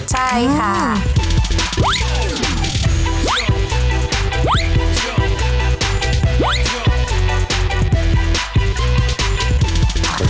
ใช่ค่ะ